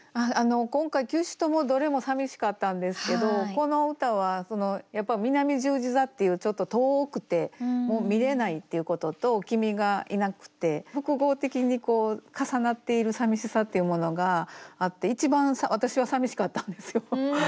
今回９首ともどれもさみしかったんですけどこの歌はやっぱ「南十字座」っていうちょっと遠くてもう見れないっていうことと君がいなくて複合的に重なっているさみしさっていうものがあって一番私はさみしかったんですよ。